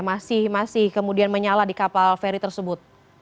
masih kemudian menyala di kapal feri tersebut